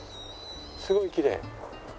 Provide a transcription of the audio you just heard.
すごいきれい。